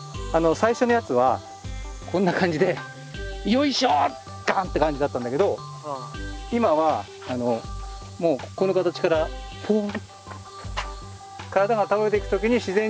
最初のやつはこんな感じでよいしょガンって感じだったんだけど今はもうこの形からポン。